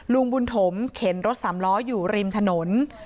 ลุงบุญถมเข็นรถสามล้ออยู่ริมถนน